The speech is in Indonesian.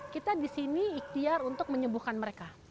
kita di sini ikhtiar untuk menyembuhkan mereka